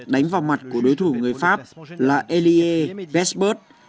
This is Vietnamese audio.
đánh vào mặt của đối thủ người pháp là elie besburg